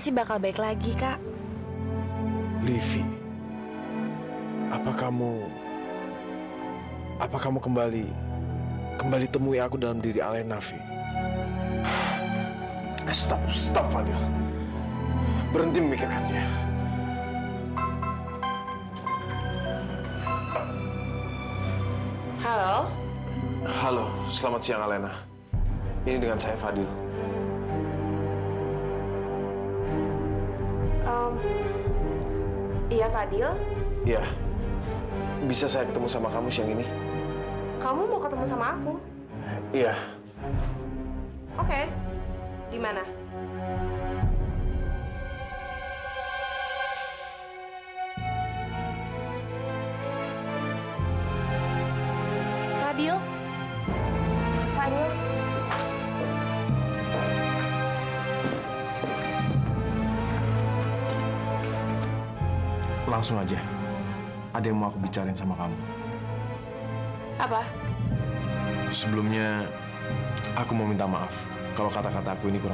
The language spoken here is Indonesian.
sampai jumpa di video selanjutnya